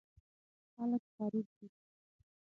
خلک غریب دي.